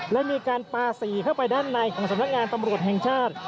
และมีการปาสีเข้าไปด้านในของสำนักงานตำรวจแห่งชาติ